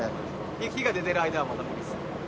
日が出てる間はもうだめです。